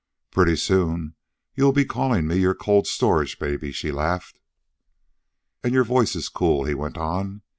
"Pretty soon you'll be calling me your cold storage baby," she laughed. "And your voice is cool," he went on.